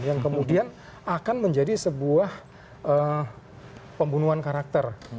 yang kemudian akan menjadi sebuah pembunuhan karakter